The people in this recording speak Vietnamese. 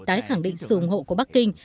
tái khẳng định sử dụng hộ của bắc kinh